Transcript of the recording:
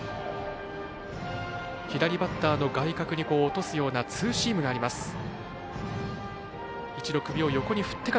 左バッターの外角に落とすようなツーシームがあります。